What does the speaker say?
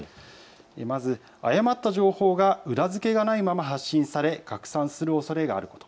まず誤った情報が裏付けがないまま発信され拡散するおそれがある。